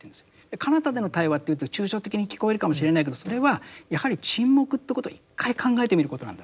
かなたでの対話というと抽象的に聞こえるかもしれないけどそれはやはり沈黙ということを一回考えてみることなんだ。